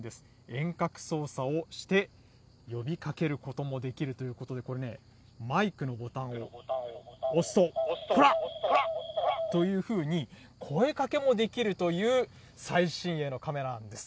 遠隔操作をして、呼びかけることもできるということで、これね、マイクのボタンを押すと、こら！というふうに、声かけもできるという最新鋭のカメラなんです。